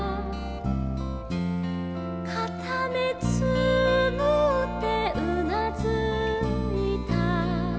「かためつむってうなずいた」